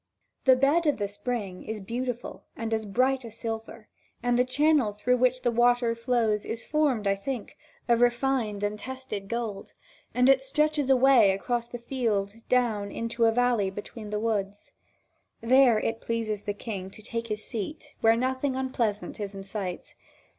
The bed of the spring is beautiful and as bright as silver, and the channel through which the water flows is formed, I think, of refined and tested gold, and it stretches away across the field down into a valley between the woods. There it pleases the King to take his seat where nothing unpleasant is in sight.